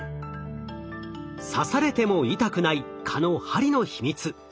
刺されても痛くない蚊の針の秘密。